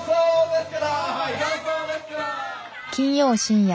金曜深夜。